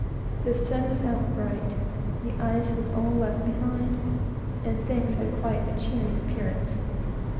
The sun was out bright; the ice was all left behind, and things had quite a cheering appearance.